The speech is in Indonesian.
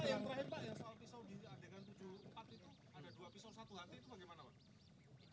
pemeran pengganti yang terhebat ya soal pisau gini adegan tujuh